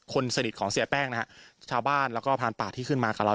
คนสนิทของเสียแป้งนะฮะชาวบ้านแล้วก็พานป่าที่ขึ้นมากับเรา